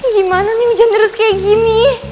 gimana nih hujan terus kayak gini